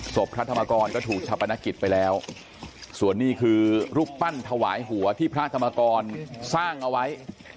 พระธรรมกรก็ถูกชาปนกิจไปแล้วส่วนนี้คือรูปปั้นถวายหัวที่พระธรรมกรสร้างเอาไว้